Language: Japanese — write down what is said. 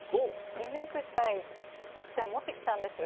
リメイクしたいネクタイを持ってきたんです。